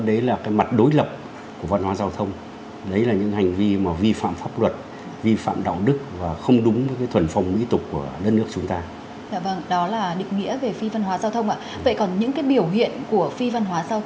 vậy còn những biểu hiện của phi văn hóa giao thông là gì ạ